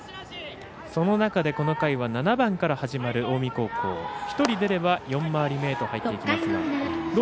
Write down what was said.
その中でこの回は７番から始まる近江高校、１人出れば４回り目へと入っていきますが。